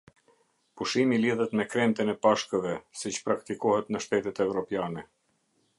Pushimi lidhet me kremten e Pashkëve, siç praktikohet në shtetet evropiane.